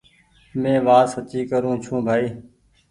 مينٚ وآت سچي ڪرون ڇوٚنٚ بآئي